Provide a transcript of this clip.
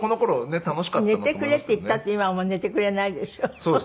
寝てくれって言ったって今は寝てくれないでしょう？